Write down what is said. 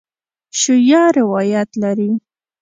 شیعه روایت لري.